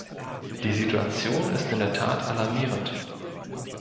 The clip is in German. Die Situation ist in der Tat alarmierend.